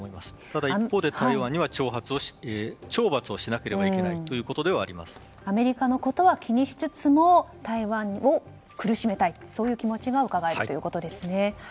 ただ、一方で台湾には懲罰をしなければいけないアメリカのことは気にしつつも台湾を苦しめたいそういう気持ちがうかがえるということですね。